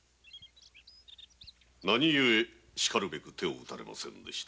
なにゆえしかるべく手を打たれませんでした？